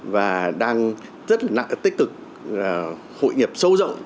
và đang rất tích cực hội nhập sâu rộng